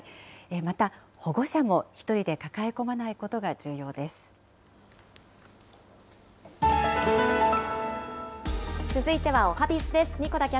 また保護者も一人で抱え込まない続いてはおはＢｉｚです。